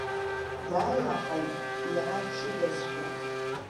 Дааилаҳаит, иара дҽыдазшәа.